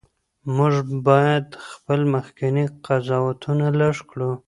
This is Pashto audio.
موږ باید خپل مخکني قضاوتونه لږ کړو.